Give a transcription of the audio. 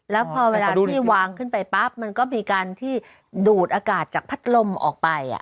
แล้วพอเวลาที่วางขึ้นไปปั๊บมันก็มีการที่ดูดอากาศจากพัดลมออกไป